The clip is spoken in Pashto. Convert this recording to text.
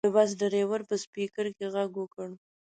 د بس ډریور په سپیکر کې غږ وکړ.